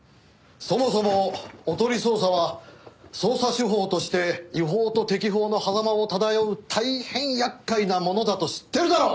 そもそもおとり捜査は捜査手法として違法と適法のはざまを漂う大変厄介なものだと知ってるだろ！